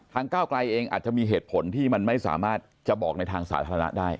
ก้าวไกลเองอาจจะมีเหตุผลที่มันไม่สามารถจะบอกในทางสาธารณะได้